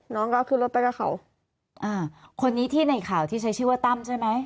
น้องก็ขึ้นรถไปกับเขาอ่าคนนี้ที่ในข่าวที่ใช้ชื่อว่าตั้มใช่ไหม